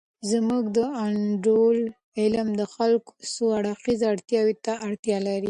زمونږ د انډول علم د خلګو څو اړخیزه اړتیاوو ته اړتیا لري.